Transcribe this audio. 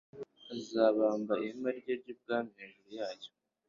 azabamba ihema rye ry ubwami hejuru yayo